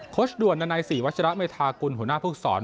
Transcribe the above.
ชด่วนดันัยศรีวัชระเมธากุลหัวหน้าภูกษร